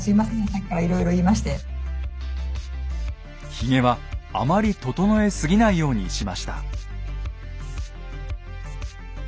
ひげはあまり整えすぎないようにしました。